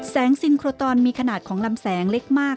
ซินโครตอนมีขนาดของลำแสงเล็กมาก